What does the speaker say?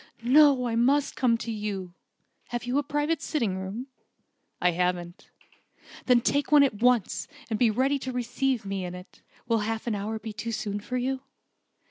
"No, I must come to you. Have you a private sitting room?" "I haven't." "Then take one at once, and be ready to receive me in it. Will half an hour be too soon for you?"